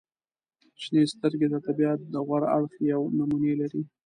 • شنې سترګې د طبیعت د غوره اړخ یوه نمونې لري.